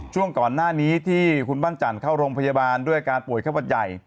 ช่วงก่อนหน้านี้ที่คุณปั้นจันทร์เข้าโรงพยาบาลด้วยอาการป่วยไข้หวัดใหญ่